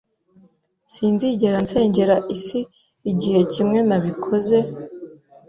Sinzigera nsengera isi Igihe kimwe nabikoze